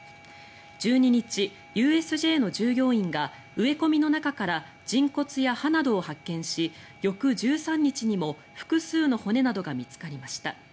１２日、ＵＳＪの従業員が植え込みの中から人骨や歯などを発見し翌１３日にも複数の骨などが見つかりました。